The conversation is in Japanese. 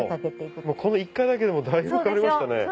この一回だけでもだいぶ変わりましたね。